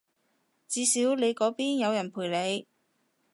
至少你嗰邊有人陪你